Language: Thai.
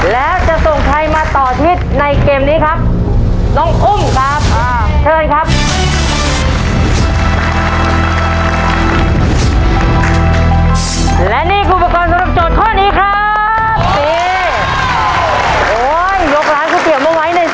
และจะส่งใครมาต่อทิศในเกมนี้ครับ